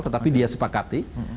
tetapi dia sepakati